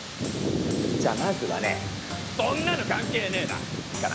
じゃあまずはね「そんなの関係ねえ」だ。